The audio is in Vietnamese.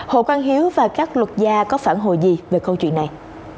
hồ quang hiếu và các luật gia có phản hồi gì về câu chuyện này